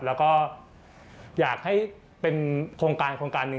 แล้วก็อยากให้เป็นโครงการหนึ่ง